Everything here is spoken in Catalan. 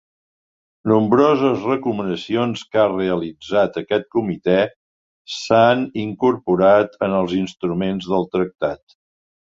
Nombroses recomanacions que ha realitzat aquest comitè s'ha incorporat en els instruments del tractat.